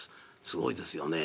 すごいですよね。